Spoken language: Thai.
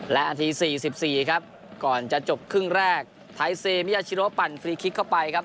และนาที๔๔ครับก่อนจะจบครึ่งแรกไทยเซมิยาชิโรปั่นฟรีคลิกเข้าไปครับ